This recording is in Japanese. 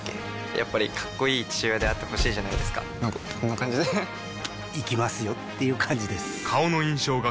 やっぱりかっこいい父親であってほしいじゃないですかなんかこんな感じで行きますよっていう感じです